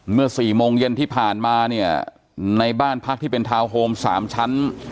สี่โมงเย็นที่ผ่านมาเนี่ยในบ้านพักที่เป็นทาวน์โฮม๓ชั้น